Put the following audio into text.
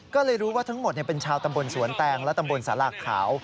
ก็เลยรู้ว่าทั้งหมดเป็นชาวตำบลสวนแตงและตำบลสาราขาว